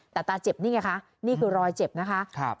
แต่ตาเจ็บนี่ไงคะนี่คือรอยเจ็บนะคะ